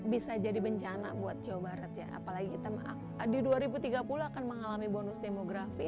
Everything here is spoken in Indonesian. bisa jadi bencana buat jawa barat ya apalagi kita di dua ribu tiga puluh akan mengalami bonus demografi